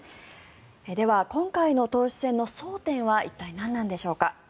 では、今回の党首選の争点は一体、なんなのでしょうか。